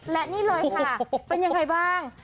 และนี่เลยค่ะเป็นยังไงบ้าง